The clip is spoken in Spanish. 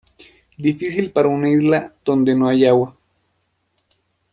Difícil para una isla donde no hay agua.